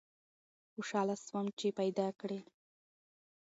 خوشحاله سوم چي پیداکړې